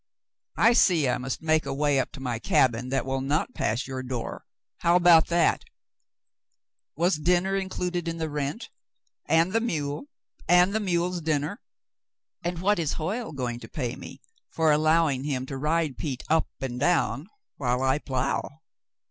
I see I must make a way up to my cabin that will not pass your door. How about that .^ Was dinner included in the rent, and the mule and the mule's dinner ? And what is Hoyle going to pay me for allowing him to ride Pete up and down while I plough.